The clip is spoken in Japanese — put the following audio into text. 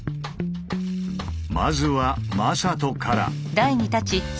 まずは魔裟斗から。